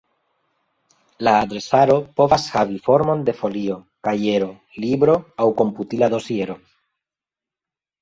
La adresaro povas havi formon de folio, kajero, libro aŭ komputila dosiero.